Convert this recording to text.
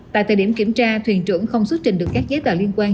tại thời điểm kiểm tra thuyền trưởng không xuất trình được các giấy tờ liên quan